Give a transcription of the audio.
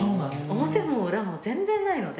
表も裏も全然ないので。